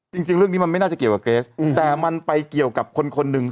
จริงเรื่องนี้มันไม่น่าจะเกี่ยวกับเกรสแต่มันไปเกี่ยวกับคนคนหนึ่ง